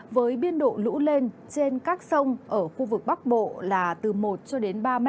với biên độ lũ lên trên các sông ở khu vực bắc bộ là từ một ba m